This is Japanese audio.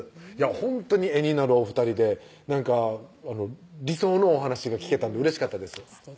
ほんとに絵になるお２人でなんか理想のお話が聞けたんでうれしかったです